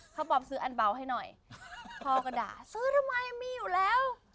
ถ้าพ่ออันบาวให้หน่อยพ่อก็ด่าซื้อทำไมมีอยู่แล้ว